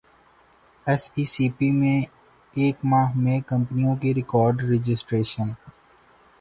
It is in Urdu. ایس ای سی پی میں ایک ماہ میں کمپنیوں کی ریکارڈرجسٹریشن